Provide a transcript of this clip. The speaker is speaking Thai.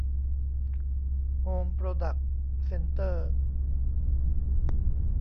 โฮม โปรดักส์ เซ็นเตอร์